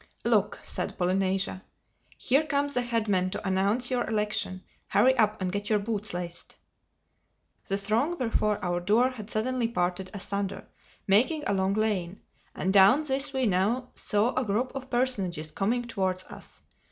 "Look," said Polynesia, "here come the head men to announce your election. Hurry up and get your boots laced." The throng before our door had suddenly parted asunder, making a long lane; and down this we now saw a group of personages coming towards us.